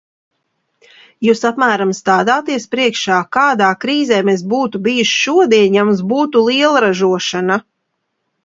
Jūs apmēram stādāties priekšā, kādā krīzē mēs būtu bijuši šodien, ja mums būtu lielražošana?